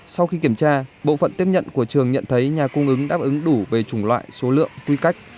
sau khi kiểm tra bộ phận tiếp nhận của trường nhận thấy nhà cung ứng đáp ứng đủ về chủng loại số lượng quy cách